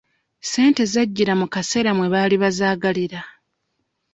Ssente zajjira mu kaseera mwe baali bazaagalira .